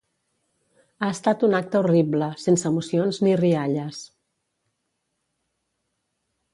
Ha estat un acte horrible, sense emocions ni rialles.